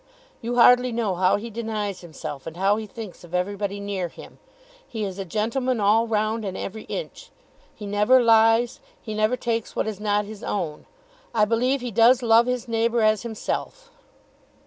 You hardly know how he denies himself, and how he thinks of everybody near him. He is a gentleman all round and every inch. He never lies. He never takes what is not his own. I believe he does love his neighbour as himself."